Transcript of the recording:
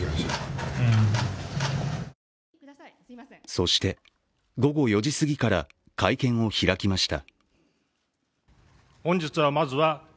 そして午後４時過ぎから会見を開きました。